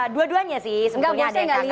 dua duanya sih sebetulnya ada yang